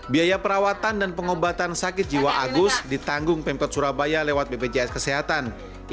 biaya perawatan dan pengobatan sakit jiwa agus ditanggung pemkot surabaya lewat bpjs kesehatan